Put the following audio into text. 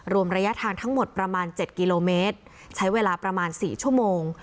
รวมระยะทางทั้งหมดประมาณ๗กิโลเมตรใช้เวลาประมาณ๔ชั่วโมง